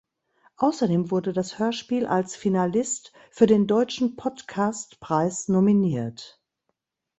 Außerdem wurde das Hörspiel als Finalist für den "Deutschen Podcast Preis" nominiert.